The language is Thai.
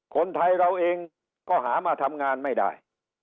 คนไทยเราเองก็หามาทำงานไม่ได้